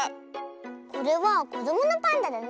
これはこどものパンダだね。